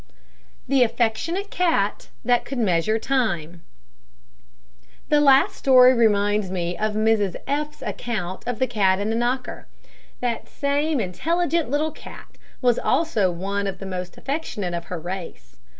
THE AFFECTIONATE CAT THAT COULD MEASURE TIME. The last story reminds me of Mrs F 's account of the cat and the knocker. That same intelligent little cat was also one of the most affectionate of her race.